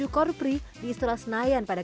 kopri di istora senayan pada